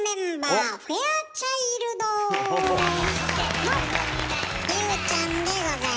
はい。